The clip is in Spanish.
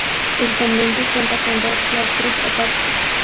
El convento cuenta con dos claustros o patios.